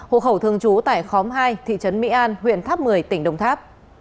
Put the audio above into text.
hộ khẩu thường trú tại khóm hai thị trấn mỹ an huyện tháp một mươi tỉnh đồng tháp